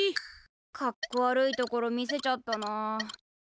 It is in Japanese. かっこ悪いところ見せちゃったな。